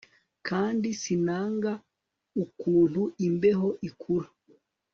Kandi sinanga ukuntu imbeho ikura